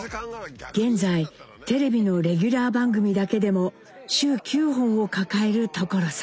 現在テレビのレギュラー番組だけでも週９本を抱える所さん。